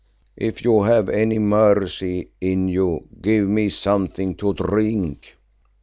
If you have any mercy in you, give me something to drink."